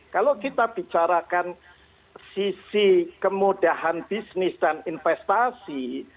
kalau kita bicarakan sisi kemudahan bisnis dan investasi